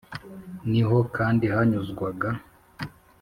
Ni ho kandi hanyuzwaga